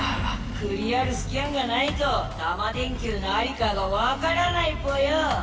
クリアルスキャンがないとタマ電Ｑのありかがわからないぽよ！